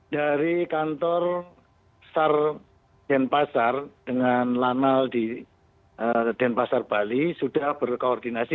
dari kantor sar denpasar dengan lanal di denpasar bali sudah berkoordinasi